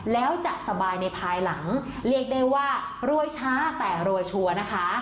แล้วจะสบายในภายหลังเรียกได้ว่ารวยช้าแต่รวยชัวร์นะคะ